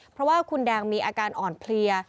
เพราะว่าคุณแดงมีอาการอ่อนเพลีย